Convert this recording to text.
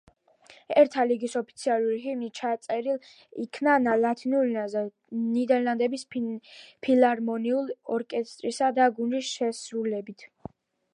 ერთა ლიგის ოფიციალური ჰიმნი ჩაწერილ იქნა ლათინურ ენაზე, ნიდერლანდების ფილარმონიული ორკესტრისა და გუნდის შესრულებით.